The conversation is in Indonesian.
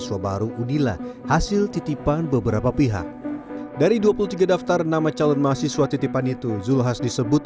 karomani yang hadir sebagai saksi dalam sidang terdakwa lain andi desviandi mengakui hal tersebut